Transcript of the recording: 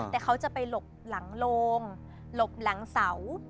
แต่เขาจะไปหลบหลังโลงหลบหลังเสา